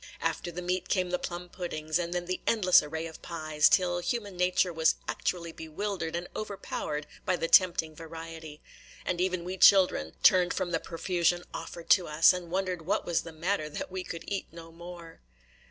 After the meat came the plum puddings, and then the endless array of pies, till human nature was actually bewildered and overpowered by the tempting variety; and even we children turned from the profusion offered to us, and wondered what was the matter that we could eat no more.